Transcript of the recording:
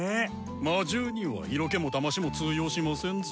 魔獣にはイロケもだましも通用しませんぞ。